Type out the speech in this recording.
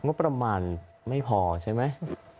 งบประมาณไม่พอใช่ไหม